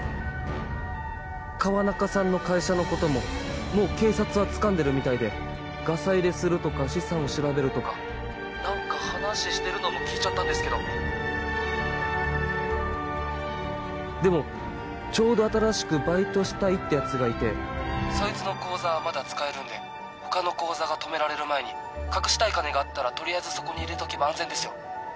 川中さんの会社のことももう警察はつかんでるみたいでガサ入れするとか資産を調べるとか☎なんか話してるのも聞いちゃったんですけどでもちょうど新しくバイトしたいって奴がいて☎そいつの口座はまだ使えるんで☎他の口座が止められる前に隠したい金があったら☎とりあえずそこに入れとけば安全ですよ